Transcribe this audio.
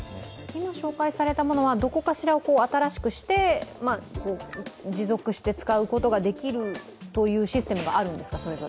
今紹介されたものは、どこかしら新しくして持続して使うことができるというシステムがあるんですか？